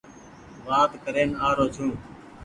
وآت ڪرين آ رو ڇون ۔